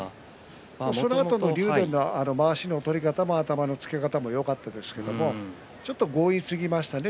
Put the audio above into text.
そのあとの竜電のまわしの取り方頭のつけ方もよかったですけどちょっと強引すぎましたね